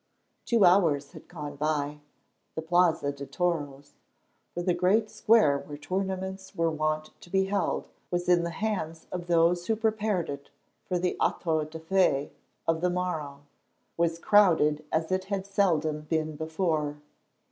Two hours had gone by. The Plaza de Toros, for the great square where tournaments were wont to be held was in the hands of those who prepared it for the auto da fé of the morrow, was crowded as it had seldom been before.